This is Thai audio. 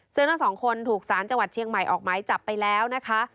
ซึ่งทั้งสองคนถูกสารจังหวัดเชียงใหม่ออกหมายจับไปแล้วนะคะ